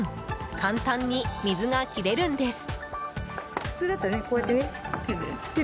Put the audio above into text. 簡単に水が切れるんです。